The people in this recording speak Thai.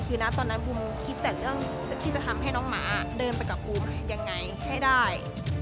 คือนะตอนนั้นบูมคิดแต่เรื่องที่จะทำให้น้องหมาเดินไปกับบูมยังไงให้ได้